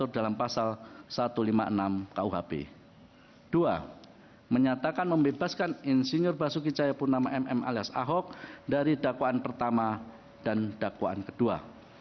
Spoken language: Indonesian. dua menyatakan membebaskan insinyur basuki cahayapurnama mm alias ahok dari dakwaan pertama dan dakwaan kedua